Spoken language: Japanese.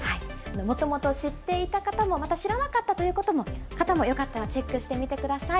もともと知っていた方も、また知らなかったという方もよかったらチェックしてみてください。